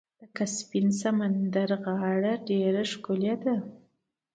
د کسپین سمندر غاړې ډیرې ښکلې دي.